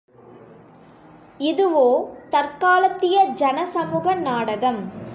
இதுவோ, தற்காலத்திய ஜனசமூக நாடகம்.